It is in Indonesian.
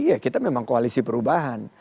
ya kita memang koalisi perubahan